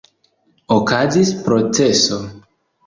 Okazis proceso.